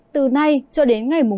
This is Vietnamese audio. từ nay cho đến ngày một một mươi